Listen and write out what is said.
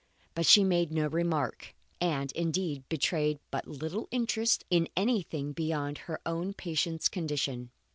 But she made no remark, and, indeed, betrayed but little interest in anything beyond her own patient's condition.